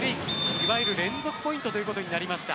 いわゆる連続ポイントということになりました。